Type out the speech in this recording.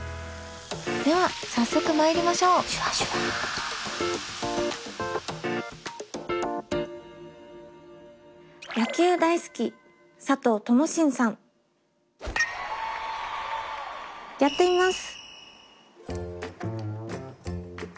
では早速まいりましょうやってみます。